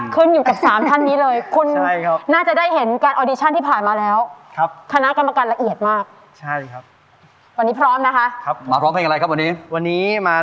ครูอิทวันนี้มีเป้าหมายมารายการนี่ไหมคะ